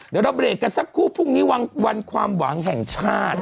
เดี๋ยวเราเบรกกันสักครู่พรุ่งนี้วันความหวังแห่งชาติ